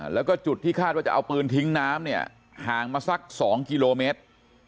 แล้วก็จุดที่คาดว่าจะเอาปืนทิ้งน้ำเนี่ยห่างมาสัก๒กิโลเมตร